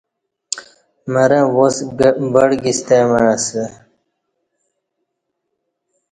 مرں واس وڑگی ستہ مع اسہ